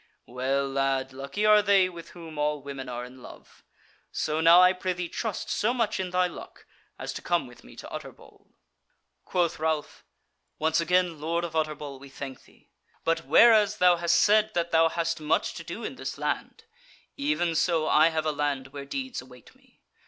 Well, lad, lucky are they with whom all women are in love. So now I prithee trust so much in thy luck as to come with me to Utterbol." Quoth Ralph: "Once again, Lord of Utterbol, we thank thee; but whereas thou hast said that thou hast much to do in this land; even so I have a land where deeds await me.